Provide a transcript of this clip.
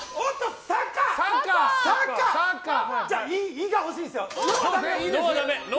「井」が欲しいですよ。